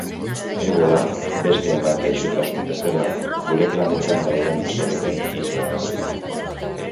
Ebola, beste hainbat gaixotasun bezala, gure planetan dauden desoreken isla da.